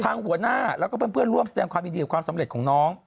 ทางหัวหน้าแล้วก็เป็นเพื่อนร่วมแสดงความดีดีความสำเร็จของน้อง